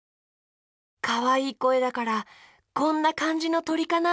かわいいこえだからこんなかんじのとりかな？